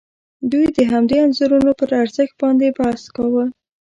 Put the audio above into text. دوی د همدې انځورونو پر ارزښت باندې بحث کاوه.